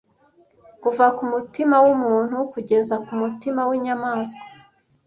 kuva ku mutima w'umuntu kugeza ku mutima w'inyamaswa